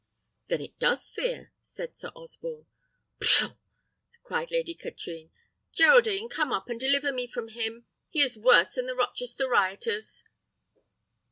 "Then it does fear?" said Sir Osborne. "Pshaw!" cried Lady Katrine. "Geraldine, come up, and deliver me from him: he is worse than the Rochester rioters."